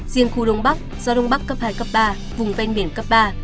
riêng khu đông bắc gió đông bắc cấp hai cấp ba vùng ven biển cấp ba